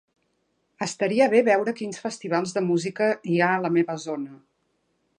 Estaria bé veure quins festivals de música hi ha a la meva zona.